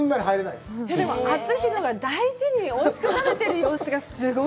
でも貴丈が大事においしく食べてる様子がすごく。